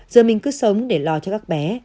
rồi mình cứ sống để lo cho các bé